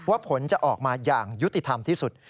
ผลจะออกมาอย่างยุติธรรมที่สุด